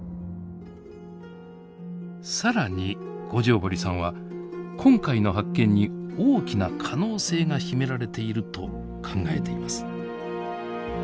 更に五條堀さんは今回の発見に大きな可能性が秘められていると考えています。